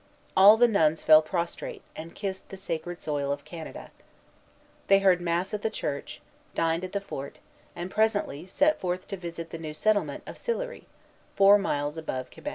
All the nuns fell prostrate, and kissed the sacred soil of Canada. They heard mass at the church, dined at the fort, and presently set forth to visit the new settlement of Sillery, four miles above Quebec.